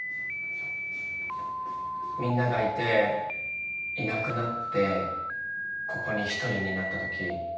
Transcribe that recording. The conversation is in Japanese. みんながいていなくなってここに１人になったとき。